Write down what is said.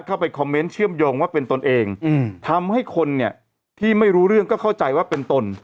เข้าไปคอมเมนต์เชื่อมโยงว่าเป็นตนเองทำให้คนเนี่ยที่ไม่รู้เรื่องก็เข้าใจว่าเป็นตน